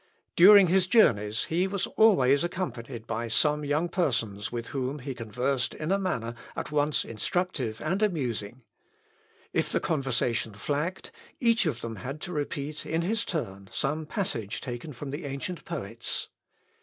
During his journeys he was always accompanied by some young persons with whom he conversed in a manner at once instructive and amusing. If the conversation flagged, each of them had to repeat in his turn some passage taken from the ancient poets.